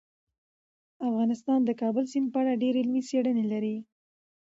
افغانستان د کابل سیند په اړه ډېرې علمي څېړنې لري.